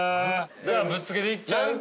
ぶっつけでいっちゃう？